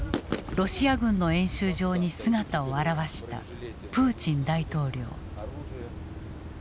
ロシア軍の演習場に姿を現したプーチン大統領。